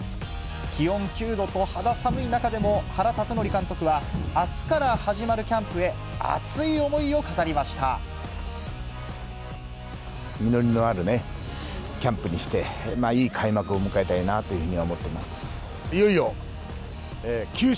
気温９度と肌寒い中でも、原辰徳監督は、あすから始まるキャンプ実りのあるキャンプにして、いい開幕を迎えたいなというふうに思っています。